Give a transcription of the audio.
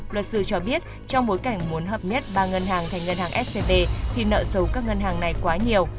luật sư cho biết trong bối cảnh muốn hợp nhất ba ngân hàng thành ngân hàng scb thì nợ xấu các ngân hàng này quá nhiều